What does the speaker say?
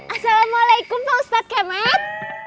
assalamualaikum pak ustadz kemet